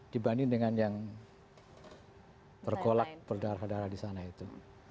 dibanding dengan yang bergolak berdarah darah disana itu